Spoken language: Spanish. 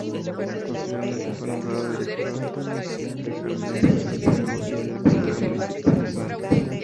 Posteriormente, fue nombrado Director de Jardines de Santiago y del Criadero Municipal de Plantas.